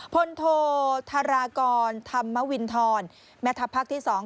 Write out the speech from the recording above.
พลโทธารากรธรรมวินทรแม่ทัพภาคที่๒